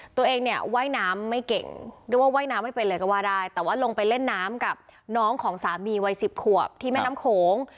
ตัวเองเนี่ยว่ายน้ำไม่เก่งเรียกว่าว่ายน้ำไม่เป็นเลยก็ว่าได้แต่ว่าลงไปเล่นน้ำกับน้องของสามีวัย๑๐ขวบที่แม่น้ำโขง